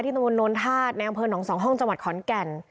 ที่ตะวันโนรทาสในองค์เผิร์น๒ห้องจังหวัดขอนแก่น